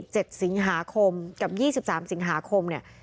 เจ็ดสิงหาคมกับยี่สิบสามสิงหาคมเนี่ย